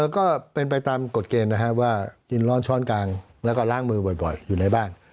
ก็เป็นไปตามกฎเกณฑ์นะครับว่ากินร้อนช้อนกลางแล้วก็ล้างมือบ่อยอยู่ในบ้าน